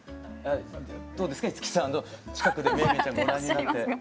どうですか？